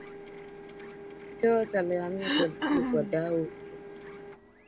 Torres alihamia Chelsea kwa dau kubwa